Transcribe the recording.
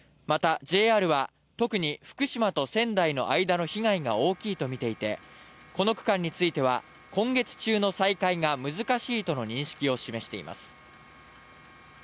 またＪＲは特に福島と仙台の間の被害が大きいと見ていて、この区間については今月中の再開が難しいとの認識を示しています。